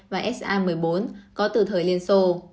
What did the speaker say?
và sa một mươi bốn có từ thời liên xô